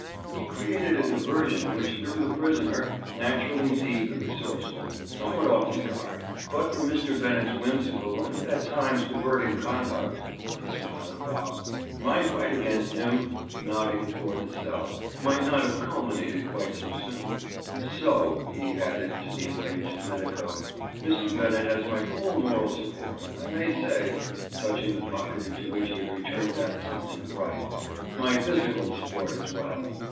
He created a diversion which threw the prisoner, naturally deep and resourceful, somewhat off his guard. But for Mr. Bennett's whimsical and, at times, diverting conduct," with a smile at Bob, "my fight against him," nodding toward the cell, "might not have culminated quite so soon. So," he added to the enraged medico, "Mr. Bennett has my full moral support, and, I may say," touching the pocket into which he had returned that something bright, "my physical support as well."